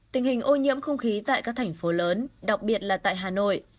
tình hình ô nhiễm không khí tại các thành phố lớn đặc biệt là tại hà nội